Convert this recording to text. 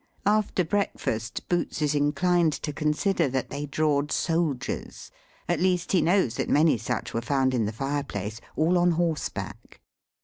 After breakfast, Boots is inclined to consider that they drawed soldiers, at least, he knows that many such was found in the fire place, all on horseback.